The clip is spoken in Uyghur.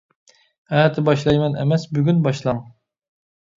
ئەتە باشلايمەن ئەمەس، بۈگۈن باشلاڭ.